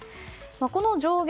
この上限